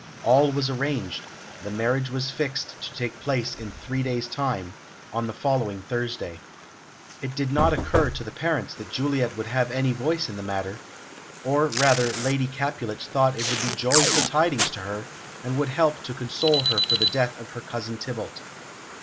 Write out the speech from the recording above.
All was arranged; the marriage was fixed to take place in three days' time, on the following Thursday. It did not occur to the parents that Juliet would have any voice in the matter; or, rather, Lady Capulet thought it would be joyful tidings to her, and would help to console her for the death of her cousin Tybalt.